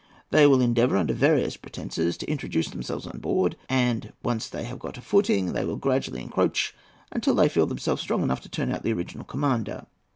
They will endeavour, under various pretences, to introduce themselves on board, and when once they have got a footing, they will gradually encroach until they feel themselves strong enough to turn out the original commander.